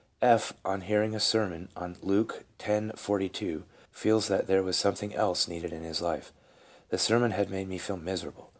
F., on hearing a sermon on Luke x:42, feels that there was something else needed in his life, " the sermon had made me feel miserable.